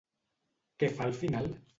Què fa al final?